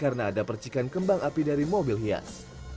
karena ada percikan kembang api dari mobil hias